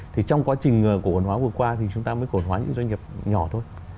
thì trong quá trình cổ phần hóa vừa qua thì chúng ta mới cổ hóa những doanh nghiệp nhỏ thôi